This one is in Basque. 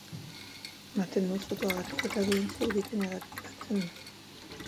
Ematen duen fruituagatik eta duen zur bikainagatik lantzen da.